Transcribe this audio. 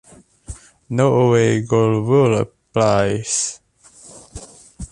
No away goal rule applies.